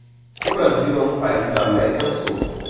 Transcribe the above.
O Brasil é um país da América do Sul.